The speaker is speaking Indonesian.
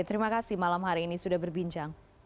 terima kasih malam hari ini sudah berbincang